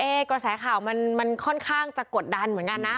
กระแสข่าวมันค่อนข้างจะกดดันเหมือนกันนะ